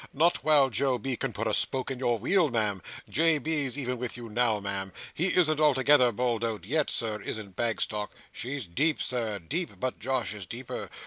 Not while Joe B. can put a spoke in your wheel, Ma'am. J. B."s even with you now, Ma'am. He isn't altogether bowled out, yet, Sir, isn't Bagstock. She's deep, Sir, deep, but Josh is deeper.